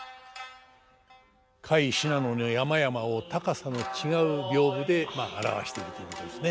甲斐信濃の山々を高さの違う屏風で表しているということですね。